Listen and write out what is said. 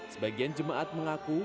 sebagian jemaat mengaku